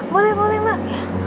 boleh boleh mbak